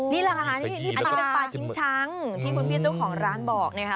นี่แหละค่ะนี่อันนี้เป็นปลาชิ้นช้างที่คุณพี่เจ้าของร้านบอกนะคะ